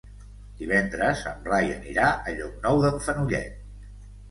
Divendres en Blai anirà a Llocnou d'en Fenollet.